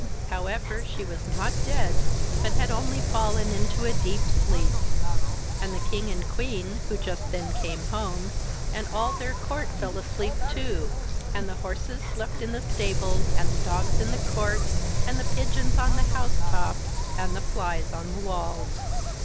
However, she was not dead, but had only fallen into a deep sleep; and the king and queen, who just then came home, and all their court, fell asleep too, and the horses slept in the stables, and the dogs in the court, the pigeons on the house top, and the flies on the walls.